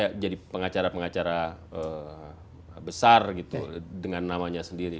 dia jadi pengacara pengacara besar gitu dengan namanya sendiri